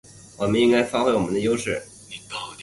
我们应该发挥我们的优势